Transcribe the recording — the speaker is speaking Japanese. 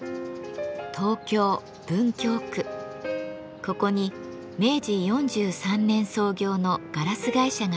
ここに明治４３年創業のガラス会社があります。